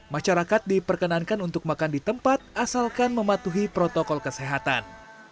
masyarakat diperkenankan untuk makan di tempat asalkan mematuhi protokol kesehatan